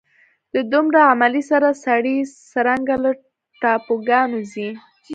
د دومره عملې سره سړی څرنګه له ټاپوګانو ځي.